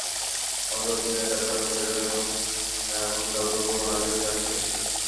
আমাদের অধিনায়ক এতটা অহংকারী হবে এবং এমন গালগল্প বানাবে, সেটা আশা করিনি।